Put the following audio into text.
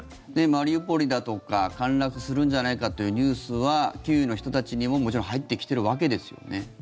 マリウポリだとか陥落するんじゃないかというニュースはキーウの人たちにももちろん入ってきているわけですよね。